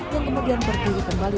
yang kemudian berdiri kembali